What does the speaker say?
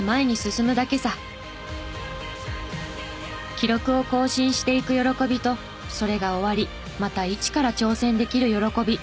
記録を更新していく喜びとそれが終わりまた一から挑戦できる喜び。